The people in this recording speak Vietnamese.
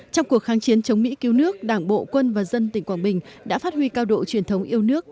trong cuộc kháng chiến chống mỹ cứu nước đảng bộ quân và dân tỉnh quảng bình đã phát huy cao độ truyền thống yêu nước